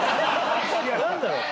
何だろう？